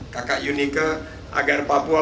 kakak yunike agar papua